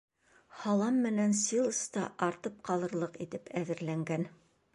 Һалам менән силос та артып ҡалырлыҡ итеп әҙерләнгән.